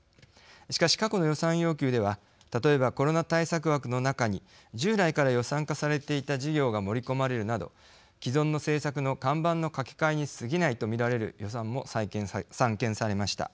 しかし過去の予算要求では例えばコロナ対策枠の中に従来から予算化されていた事業が盛り込まれるなど既存の政策の看板のかきかえにすぎないとみられる予算も散見されました。